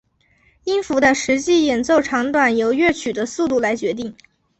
音符的实际演奏长短由乐曲的速度来决定。